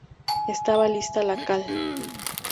Estaba lista la cal.